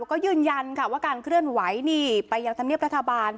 ก็ยืนยันค่ะว่าการเคลื่อนไหวนี่ไปยังธรรมเนียบรัฐบาล